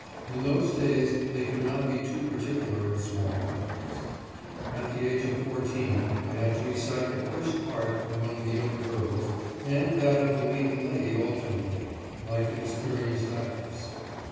In those days they could not be too particular in small companies. At the age of fourteen, I had to recite the first part among the young girls and that of the leading lady alternately, like an experienced actress.